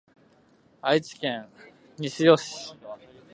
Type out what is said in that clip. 愛媛県西予市